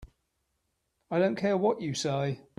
I don't care what you say.